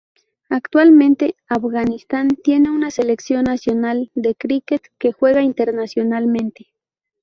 Actualmente, Afganistán tiene una Selección Nacional de Críquet que juega internacionalmente.